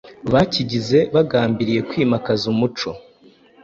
bakigize, bagambiriye kwimakaza umuco